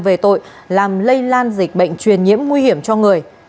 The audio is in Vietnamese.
về tội làm lây lan dịch bệnh truyền nhiễm nguy hiểm cho người